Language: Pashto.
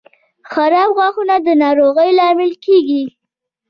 • خراب غاښونه د ناروغۍ لامل کیږي.